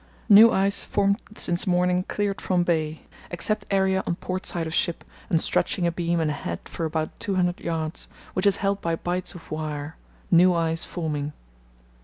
—New ice formed since morning cleared from bay except area on port side of ship and stretching abeam and ahead for about 200 yds., which is held by bights of wire; new ice forming.